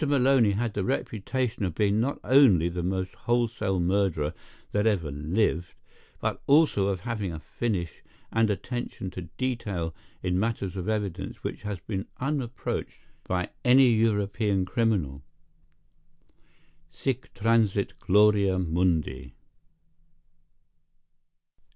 Maloney had the reputation of being not only the most wholesale murderer that ever lived, but also of having a finish and attention to detail in matters of evidence which has been unapproached by any European criminal. Sic transit gloria mundi!"